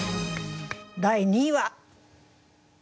第２位は。